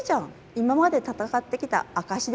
今まで闘ってきた証しでしょ？」